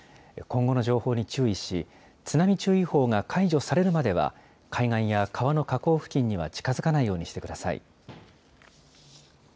今後の情報に注意し、津波注意報が解除されるまでは、海岸や川の河口付近には近づかないようにしてください。